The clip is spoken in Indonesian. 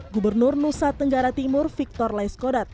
gubernur nusa tenggara timur victor laiskodat